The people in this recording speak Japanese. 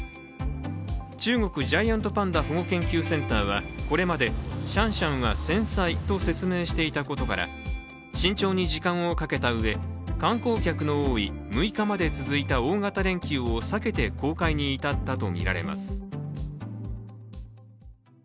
中国ジャイアントパンダ保護研究センターはこれまでシャンシャンは繊細と説明していたことから、慎重に時間をかけたうえ、観光客の多い６日まで続いた大型連休を避けて公開に至ったとみられます。